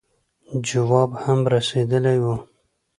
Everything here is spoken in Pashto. جواب هم رسېدلی وو.